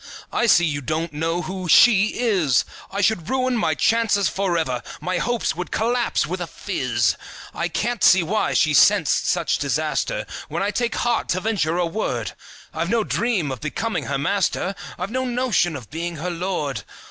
I see you don't know who "she" is. I should ruin my chances forever; My hopes would collapse with a fizz. I can't see why she scents such disaster When I take heart to venture a word; I've no dream of becoming her master, I've no notion of being her lord.